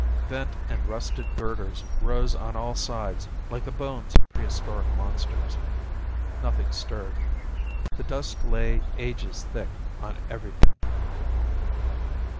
Bent and rusted girders rose on all sides like the bones of prehistoric monsters. Nothing stirred. The dust lay ages thick on everything.